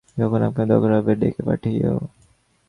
যখন আমাকে দরকার হবে ডেকে পাঠিয়ো।